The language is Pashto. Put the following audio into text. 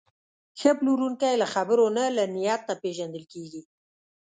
ښه پلورونکی له خبرو نه، له نیت نه پېژندل کېږي.